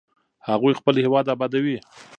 هغوی خپل هېواد ابادوي.